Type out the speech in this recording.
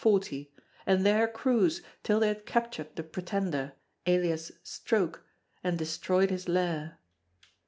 40, and there cruise till they had captured the Pretender, alias Stroke, and destroyed his Lair.